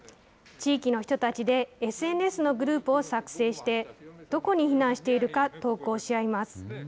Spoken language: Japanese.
地域の人たちでＳＮＳのグループを作成して、どこに避難しているか投稿し合います。